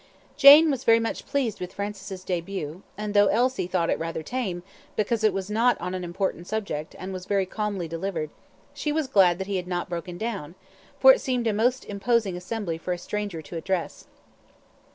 Jane was very much pleased with Francis' DEBUT, and though Elsie thought it rather tame, because it was not on an important subject, and was very calmly delivered, she was glad that he had not broken down, for it seemed a most imposing assembly for a stranger to address.